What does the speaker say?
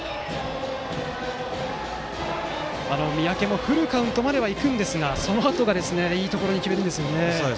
三宅もフルカウントまでは行くんですがそのあといいところに決めますね。